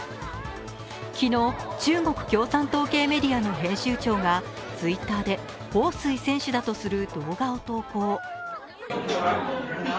昨日、中国共産党系メディアの編集長がＴｗｉｔｔｅｒで彭帥選手第とする動画を投稿。